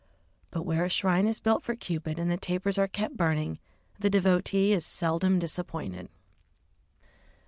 But where a shrine is built for Cupid and the tapers are kept burning, the devotee is seldom disappointed.